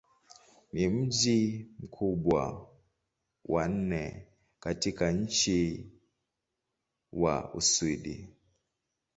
Ni mji mkubwa wa nne katika nchi wa Uswidi.